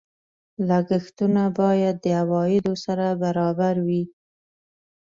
لګښتونه باید د عوایدو سره برابر وي.